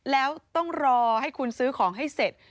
แล้วต้องรอให้คุณซื้อของให้เสร็จ